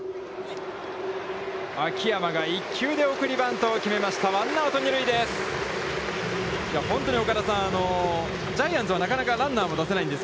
秋山が１球で送りバントを決めました、ワンアウト、二塁です。